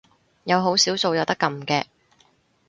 有好少數有得撳嘅